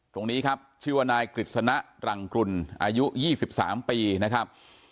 ตรงนี้คิวานายกริสณรังกลุ่นอายุ๒๓ปีนะครับ